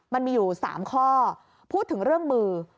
มันมีอยู่๓ข้อพูดถึงเรื่องมือ